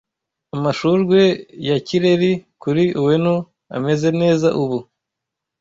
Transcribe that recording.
Amashurwe ya kireri kuri Ueno ameze neza ubu